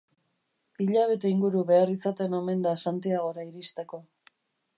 Hilabete inguru behar izaten omen da Santiagora iristeko.